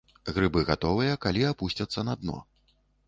Грыбы гатовыя, калі апусцяцца на дно.